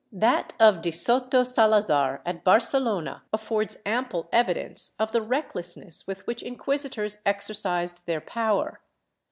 That of de Soto Salazar at Barcelona affords ample evidence of the recklessness with which inciuisitors exercised their power.